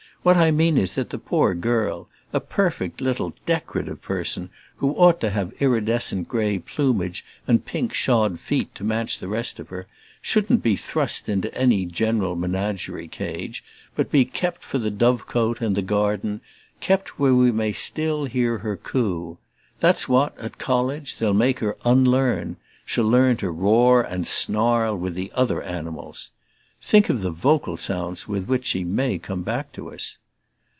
What I mean is that the poor girl a perfect little DECORATIVE person, who ought to have iridescent gray plumage and pink shod feet to match the rest of her shouldn't be thrust into any general menagerie cage, but be kept for the dovecote and the garden, kept where we may still hear her coo. That's what, at college, they'll make her unlearn; she'll learn to roar and snarl with the other animals. Think of the vocal sounds with which she may come back to us!"